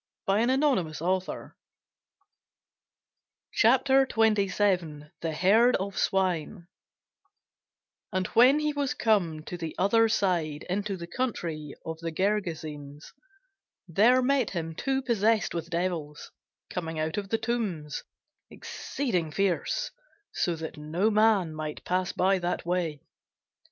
CHAPTER 27 THE HERD OF SWINE [Sidenote: St. Matthew 8] AND when he was come to the other side into the country of the Gergesenes, there met him two possessed with devils, coming out of the tombs, exceeding fierce, so that no man might pass by that way.